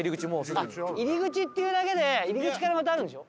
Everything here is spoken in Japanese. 入り口っていうだけで入り口からまたあるんでしょ？